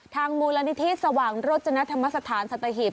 มูลนิธิสว่างรจนธรรมสถานสัตหีบ